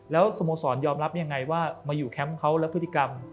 แล้วสโมสรยอมรับยังไงว่ามาอยู่แคมป์เขาและพฤติกรรม